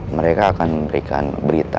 mereka akan memberikan berita